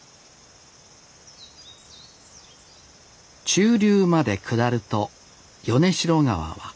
中流まで下ると米代川は穏やか。